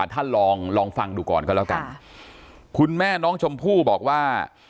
ท่านลองลองฟังดูก่อนก็แล้วกันคุณแม่น้องชมพู่บอกว่า